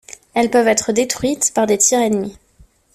Elles peuvent être détruites par des tirs ennemis.